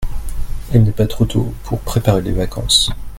il n'est pas trop tôt pour préparer les vacances.